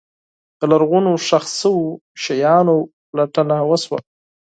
د لرغونو ښخ شوو شیانو پلټنه وشوه.